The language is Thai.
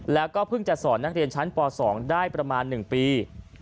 แล้วก็เพิ่งจะสอนนักเรียนชั้นป๒ได้ประมาณ๑ปี